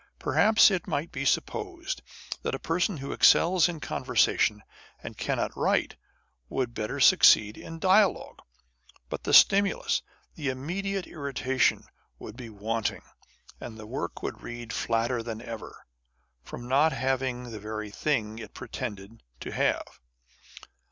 Perhaps it might be sup posed that a person who excels in conversation and cannot write, would succeed better in dialogue. But the stimulus, the immediate irritation would be wanting ; and the work would read flatter than ever, from not having the very thing it pretended to have.